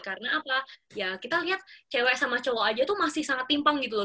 karena apa ya kita lihat cewek sama cowok aja tuh masih sangat timpang gitu loh